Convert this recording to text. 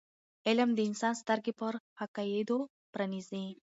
علم د انسان سترګې پر حقایضو پرانیزي.